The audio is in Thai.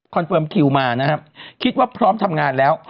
เฟิร์มคิวมานะครับคิดว่าพร้อมทำงานแล้ว